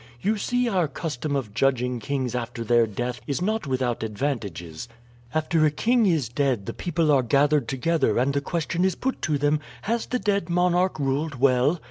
You see our custom of judging kings after their death is not without advantages. After a king is dead the people are gathered together and the question is put to them, Has the dead monarch ruled well?